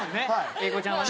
英孝ちゃんはね。